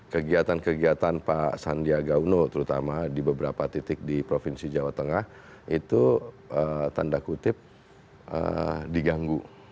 kegiatan kegiatan pak sandiaga uno terutama di beberapa titik di provinsi jawa tengah itu tanda kutip diganggu